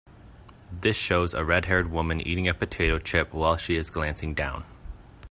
This shows a redhaired woman eating a potato chip while she is glancing down.